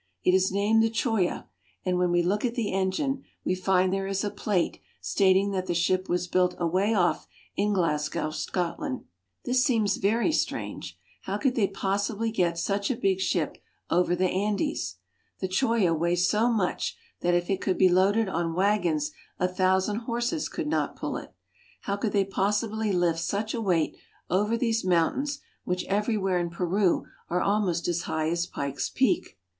It is named the Choya, and when we look at the engine we find there is a plate stating that the ship was built away off in Glasgow, Scotland. This seems very strange. How could they possibly get such a big ship over the Andes? The Choya weighs so much that if it could be loaded on wagons a thousand horses could not pull it. How could they possibly lift such a weight over these mountains, which everywhere in Peru are almost as high as Pikes Peak?